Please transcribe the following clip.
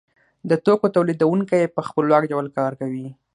د توکو تولیدونکی په خپلواک ډول کار کوي